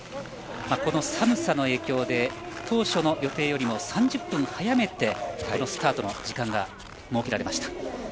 この寒さの影響で当初の予定よりも３０分早めてスタートの時間が設けられました。